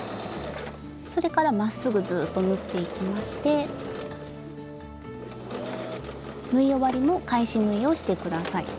それからまっすぐずっと縫っていきまして縫い終わりも返し縫いをして下さい。